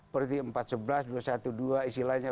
parti empat ratus sebelas dua ratus dua belas istilahnya